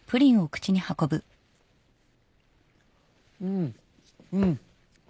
うんうん。